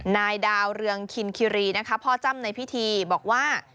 นายดาวเรืองคินคิรีนะคะพ่อจ้ำในพิธีบอกว่า